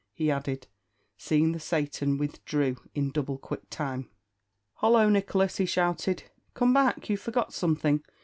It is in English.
he added, seeing that Satan withdrew in double quick time. "Hollo! Nicholas!" he shouted, "come back; you forgot something!"